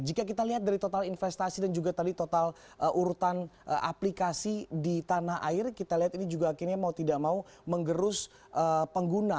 jika kita lihat dari total investasi dan juga tadi total urutan aplikasi di tanah air kita lihat ini juga akhirnya mau tidak mau menggerus pengguna